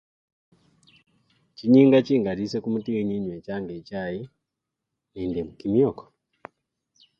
Chinyinga chingali ese kumutikhinyi enywechanga echayi nende kimioko.